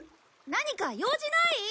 何か用事ない？